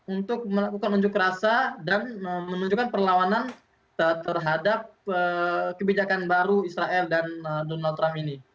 untuk melakukan unjuk rasa dan menunjukkan perlawanan terhadap kebijakan baru israel dan donald trump ini